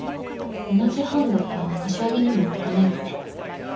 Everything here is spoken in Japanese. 同じ班だから柏木にも言っとかないとね。